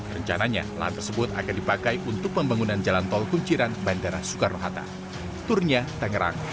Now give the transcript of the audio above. rencananya lahan tersebut akan dipakai untuk pembangunan jalan tol kunciran bandara soekarno hatta